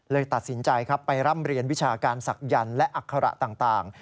ตัดสินใจครับไปร่ำเรียนวิชาการศักยันต์และอัคระต่าง